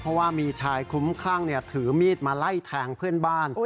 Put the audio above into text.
เพราะว่ามีชายคลุ้มคลั่งถือมีดมาไล่แทงเพื่อนบ้าน